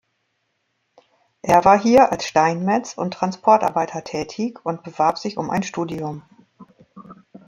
Er war hier als Steinmetz und Transportarbeiter tätig und bewarb sich um ein Studium.